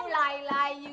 iu lai lai ya emang ayah